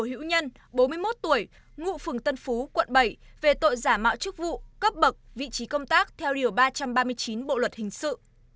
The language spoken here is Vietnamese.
hữu nhân bốn mươi một tuổi ngụ phường tân phú quận bảy về tội giả mạo chức vụ cấp bậc vị trí công tác theo điều ba trăm ba mươi chín bộ luật hình sự